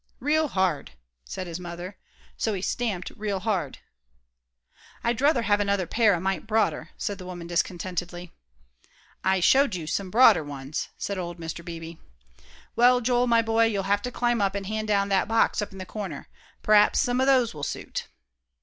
"Real hard," said his mother. So he stamped real hard. "I'd druther have another pair a mite broader," said the woman, discontentedly. "I showed you some broader ones," said old Mr. Beebe. "Well, Joel, my boy, you'll have to climb up and hand down that box up in the corner. P'r'aps some of those will suit."